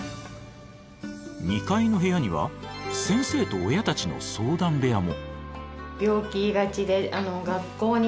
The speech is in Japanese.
２階の部屋には先生と親たちの相談部屋も。